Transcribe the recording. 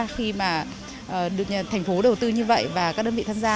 khi mà được thành phố đầu tư như vậy và các đơn vị tham gia